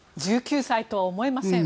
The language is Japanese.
１９歳とは思えません。